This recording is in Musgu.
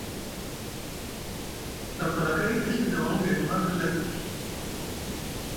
Na falakay e Ɵi dawaŋ gayɗi marɗi lay.